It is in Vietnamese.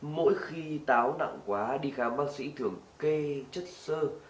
mỗi khi táo nặng quá đi khám bác sĩ thường kê chất sơ